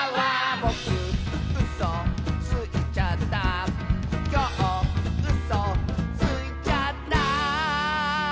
「ぼくうそついちゃった」「きょううそついちゃった」